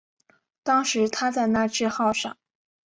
当时他在那智号上。